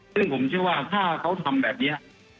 ซึ่งผมเชื่อว่าถ้าเขาทำแบบนี้